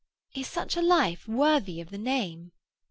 "Is such a life worthy of the name?"